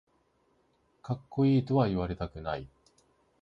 かっこいいとは言われたくない